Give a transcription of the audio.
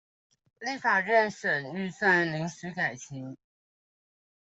立法院審預算臨時改期